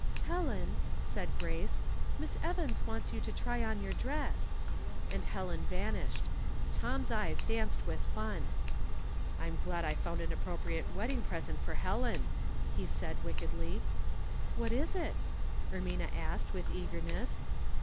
" Helen," called Grace, " Miss Evans wants you to try on your dress," and Helen vanished. Tom's eyes danced with fun. '" I'm glad I've found an appropriate wedding present for Helen," he said, wickedly. *' What is it? " Ermina asked, with eagerness.